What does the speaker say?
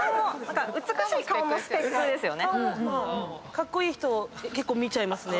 カッコイイ人見ちゃいますね。